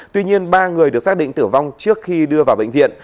tuy nhiên ba người được xác định tử vong trước khi đưa vào bệnh viện